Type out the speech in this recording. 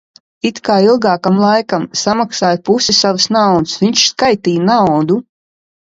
It kā ilgākam laikam. Samaksāju pusi savas naudas. Viņš skaitīja naudu.